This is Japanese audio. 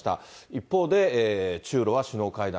一方で、中ロは首脳会談。